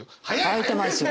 「開いてますよ！！」。